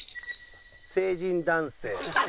成人男性。